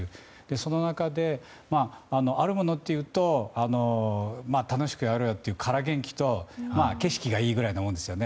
その中で、あるものっていうと楽しくやろうよというから元気と景色がいいぐらいのものですよね。